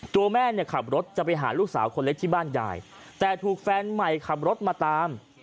ตัวแม่เนี่ยขับรถจะไปหาลูกสาวคนเล็กที่บ้านยายแต่ถูกแฟนใหม่ขับรถมาตาม